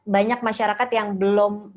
banyak masyarakat yang belum